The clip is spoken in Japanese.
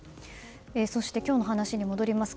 そして今日の話に戻ります。